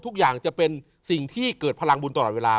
ทุกอย่างจะเป็นสิ่งที่เกิดพลังบุญตลอดเวลา